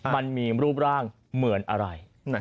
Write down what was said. มันมีรูปร่างเหมือนอะไร